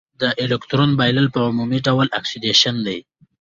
د الکترون بایلل په عمومي ډول اکسیدیشن دی.